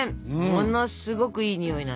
ものすごくいいにおいなんですが。